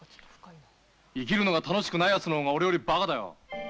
生きるのが楽しくないやつの方が俺よりばかだよ。